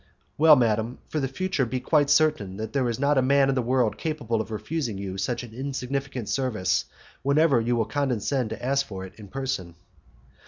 "Well, madam, for the future be quite certain that there is not a man in the world capable of refusing you such an insignificant service whenever you will condescend to ask for it in person."